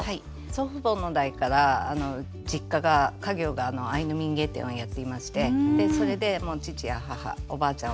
祖父母の代から実家が家業がアイヌ民芸店をやっていましてでそれでもう父や母おばあちゃん